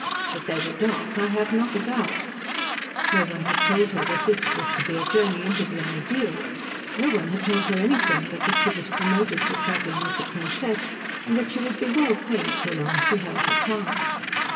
That they were dark I have not a doubt. No one had told her this was to be a journey into the Ideal; no one had told her anything but that she was promoted to travelling with the Princess and that she would be well paid so long as she held her tongue.